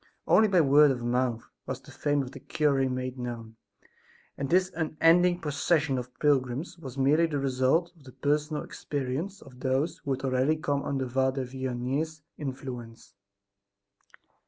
Only by word of mouth was the fame of the cure made known, and this unending procession of pilgrims was merely the result of the personal experience of those who had already come under Father Vianney's influence.